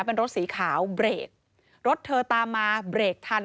เป็นรถสีขาวเบรกรถเธอตามมาเบรกทัน